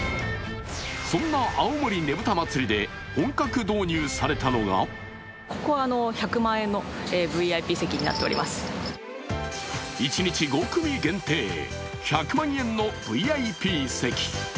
そんな青森ねぶた祭で本格導入されたのが一日５組限定、１００万円のＶＩＰ席。